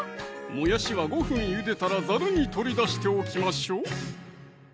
もやしは５分ゆでたらザルに取り出しておきましょう